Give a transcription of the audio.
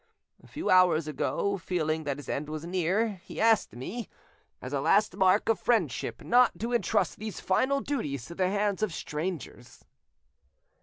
A few hours ago, feeling that his end was near, he asked me, as a last mark of friendship, not to entrust these final duties to the hands of strangers."